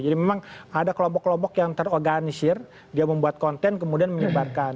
jadi memang ada kelompok kelompok yang terorganisir dia membuat konten kemudian menyebarkan